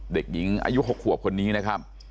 เด็กหญิงอายุ๖ขวบคนนี้นะครับ